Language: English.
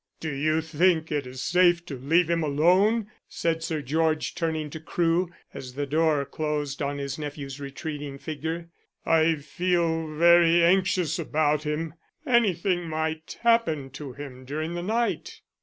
"Do you think it is safe to leave him alone?" said Sir George turning to Crewe, as the door closed on his nephew's retreating figure. "I feel very anxious about him. Anything might happen to him during the night."